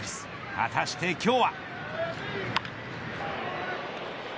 果たして今日は。